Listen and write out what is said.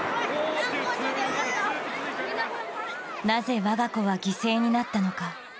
なぜ我が子は犠牲になったのか。